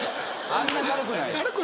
あんな軽くないたぶん。